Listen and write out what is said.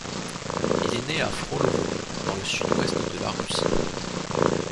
Il est né à Frolovo dans le sud-ouest de la Russie.